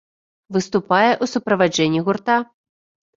Выступае ў суправаджэнні гурта.